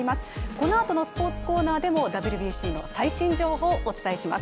このあとのスポーツコーナーでもＷＢＣの最新情報をお伝えします。